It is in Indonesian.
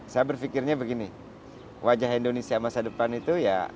saya berpikirnya begini wajah indonesia masa depan itu ya